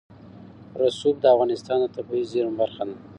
رسوب د افغانستان د طبیعي زیرمو برخه ده.